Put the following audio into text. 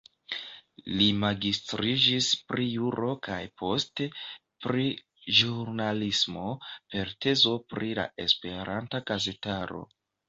Li magistriĝis pri juro kaj poste pri ĵurnalismo per tezo pri la Esperanta gazetaro.